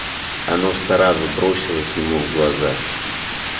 Оно сразу бросилось ему в глаза.